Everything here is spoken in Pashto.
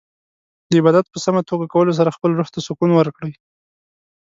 د عبادت په سمه توګه کولو سره خپل روح ته سکون ورکړئ.